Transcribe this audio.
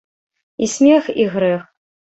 І смех і грэх.